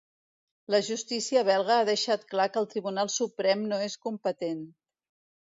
La justícia belga ha deixat clar que el Tribunal Suprem no és competent.